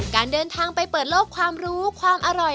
การเดินทางไปเปิดโลกความรู้ความอร่อย